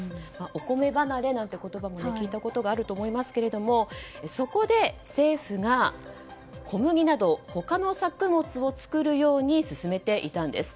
お米離れなんて言葉も聞いたことがあると思いますがそこで、政府が小麦など他の作物を作るように勧めていたんです。